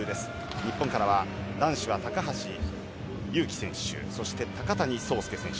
日本からは男子は高橋侑希選手、そして高谷惣亮選手。